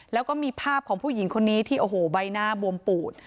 แล้วก็มีภาพของผู้หญิงคนนี้ที่โอ้โหใบหน้าบวมปูด